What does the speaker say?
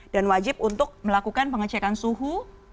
dan wajib untuk melakukan pengecekan suhu